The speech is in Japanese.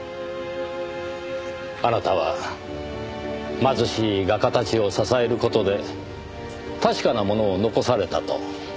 あなたは貧しい画家たちを支える事で確かなものを残されたと。